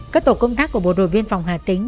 các tổ công tác của bộ đội biên phòng hà tĩnh